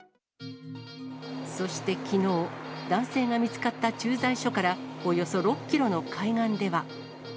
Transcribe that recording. そしてきのう、男性が見つかった駐在所からおよそ６キロの海岸では。